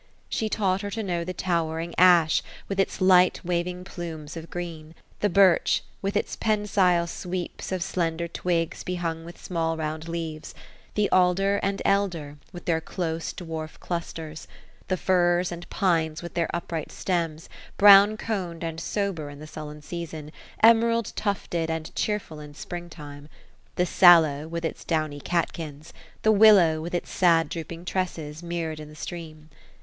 She taught her to know the towering ash, with its light waving plumes of green; the birch, with its pensile sweeps of slender twigs behung with small round leaves ;— the alder and elder, with their close dwarf clusters ;— the firs and pines with their upright stems, brown coned and sober in the sullen season, emerald tufted and cheerful in spring time ;— the sallow, with its downy catkins ;— the willow, with its sad drooping tresses, mirrored in the stream.